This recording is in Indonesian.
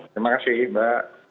terima kasih mbak